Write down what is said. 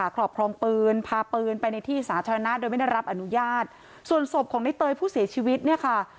ครอบครองปืนพาปืนไปในที่สาธารณะโดยไม่ได้รับอนุญาตส่วนศพของในเตยผู้เสียชีวิตเนี่ยค่ะ